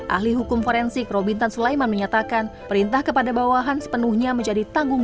ahli hukum forensik robintan sulaiman menyatakan perintah kepada bawahan sepenuhnya menjadi tanggung jawab